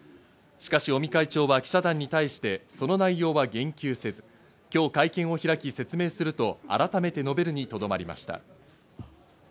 しかし尾身会長は記者団に対してその内容は言及せず、今日、会見を開き説明すると改めて述べるにとどまりました。